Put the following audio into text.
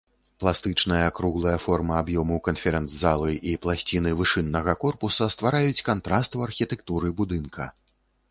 Пластычная круглая форма аб'ёму канферэнц-залы і пласціны вышыннага корпуса ствараюць кантраст у архітэктуры будынка.